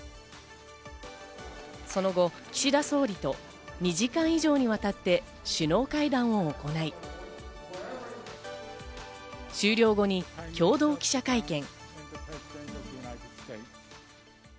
その後、岸田総理と２時間以上にわたって首脳会談を行い、終了後に共同記者会見。